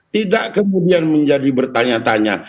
tidak kemudian menjadi bertanya tanya